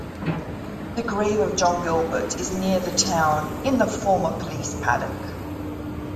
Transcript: The grave of John Gilbert is near the town in the former police paddock.